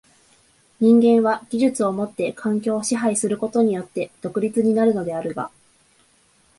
人間は技術をもって環境を支配することによって独立になるのであるが、